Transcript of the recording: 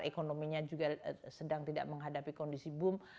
ekonominya juga sedang tidak menghadapi kondisi boom